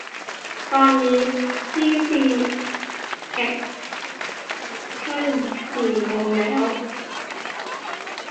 ตอนนี้ที่ซีแอตเทิลกี่โมงแล้ว